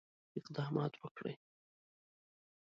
اقدامات وکړي.